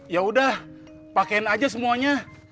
yaudah pakein aja semuanya